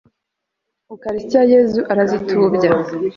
ukarisitiya yezu arazitubya